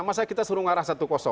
mas saya kita suruh ngarah satu